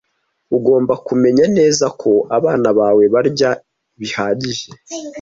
Ugomba kumenya neza ko abana bawe barya bihagije.